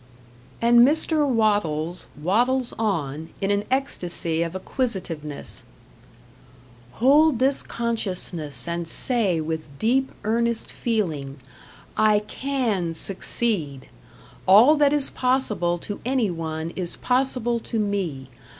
And Mr. Wattles wattles on, in an ecstasy of acquisitiveness: Hold this consciousness and say with deep, earnest feeling: I CAN succeed! All that is possible to any one is possible to me.